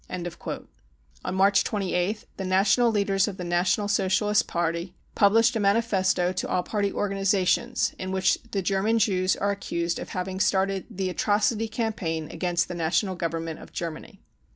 59 On March 28th the national leaders of the National Socialist Party published a manifesto to all Party organisa tions in which the German Jews are accused of having started the " atrocity campaign 55 against the National Government of Germany.